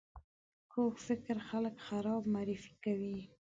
کوږ فکر خلک خراب معرفي کوي